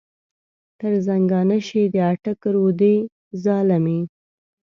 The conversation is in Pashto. تر زنګانه شې د اټک رودې ظالمې.